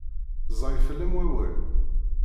Ẓẓay fell-am wawal?